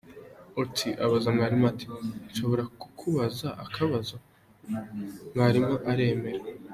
Otis abaza mwarimu ati ”Nshobora kukubaza akabazo ?“ Mwarimu aremera.